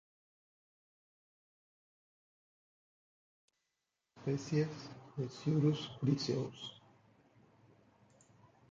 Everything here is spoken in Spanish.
Se conocen tres subespecies de "Sciurus griseus".